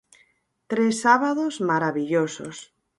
Tres sábados marabillosos.